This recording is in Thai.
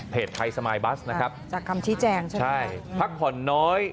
ไทยสมายบัสนะครับจากคำชี้แจงใช่ไหมใช่พักผ่อนน้อย